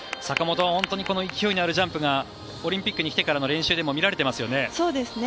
坂本は本当に勢いがあるジャンプがオリンピックに来てからの練習でも見られていますよね。